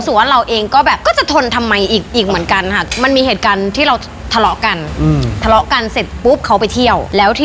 วันนั้นคุยโทรศัพท์กันเขาเลยบอกเราว่า